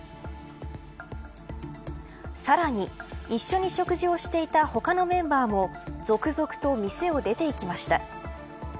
さらに一緒に食事をしていた他のメンバーも続々と店を出て行きました。